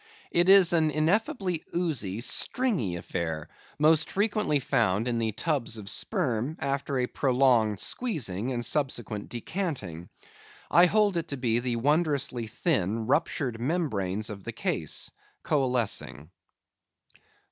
It is an ineffably oozy, stringy affair, most frequently found in the tubs of sperm, after a prolonged squeezing, and subsequent decanting. I hold it to be the wondrously thin, ruptured membranes of the case, coalescing.